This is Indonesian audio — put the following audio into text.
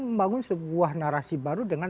membangun sebuah narasi baru dengan